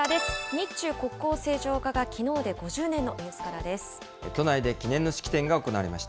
日中国交正常化がきのうで５０年のニュースからです。